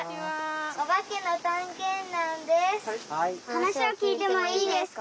はなしをきいてもいいですか？